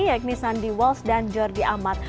yakni sandy walsh dan jordi amat